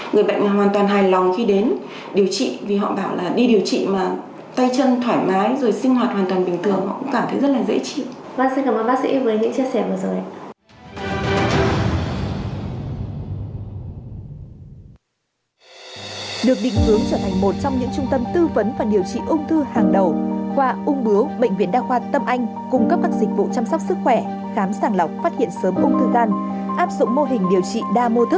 người bệnh mà hoàn toàn hài lòng khi đến điều trị vì họ bảo là đi điều trị mà tay chân thoải mái rồi sinh hoạt hoàn toàn bình thường họ cũng cảm thấy rất là dễ chịu